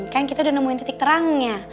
kan kita udah nemuin titik terangnya